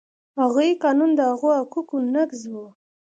هغوی قانون د هغو حقوقو نقض و.